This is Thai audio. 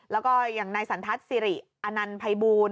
แล้วก็อย่างนายสันทัศน์สิริอนันต์ภัยบูล